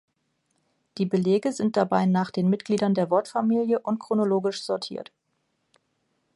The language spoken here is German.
Die Belege sind dabei nach den Mitgliedern der Wortfamilie und chronologisch sortiert.